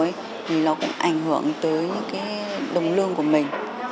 thì nó cũng ảnh hưởng tới cái đồng lương của mình